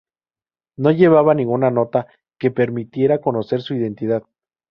No llevaba ninguna nota que permitiera conocer su identidad.